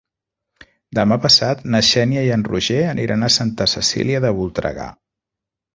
Demà passat na Xènia i en Roger aniran a Santa Cecília de Voltregà.